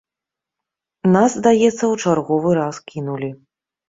Нас, здаецца, у чарговы раз кінулі.